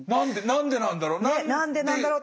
何でなんだろう。